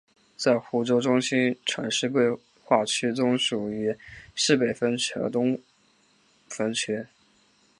在湖州中心城市规划区中属于市北分区和湖东分区。